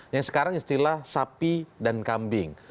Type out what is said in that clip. yang sekarang istilah sapi dan kambing